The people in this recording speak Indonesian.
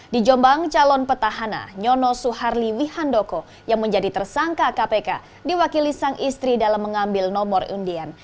di jombang calon petahana nyono suharli wihandoko yang menjadi tersangka kpk diwakili sang istri dalam mengambil nomor undian